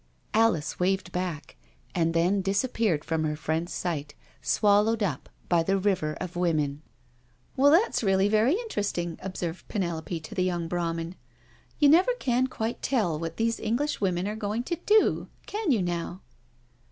Alice waved back and then disappeared from her friend's sight, swallowed up by the river of women. *• Well — ^that's really very interesting," observed Penelope to the young Brahmin. " You never tan quite tell what these English women are going to do — can you now?"